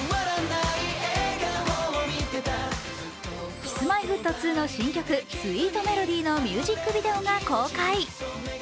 Ｋｉｓ−Ｍｙ−Ｆｔ２の新曲「ＳｗｅｅｔＭｅｌｏｄｙ」のミュージックビデオが公開。